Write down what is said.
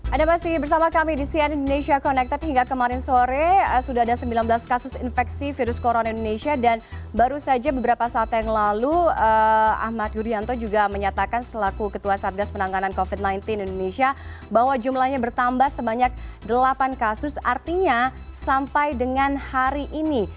ada masih bersama kami di cn indonesia connected hingga kemarin sore sudah ada sembilan belas kasus infeksi virus corona indonesia dan baru saja beberapa saat yang lalu ahmad yuryanto juga menyatakan selaku ketua satgas penanganan covid sembilan belas indonesia bahwa jumlahnya bertambah sebanyak delapan kasus artinya sampai dengan hari ini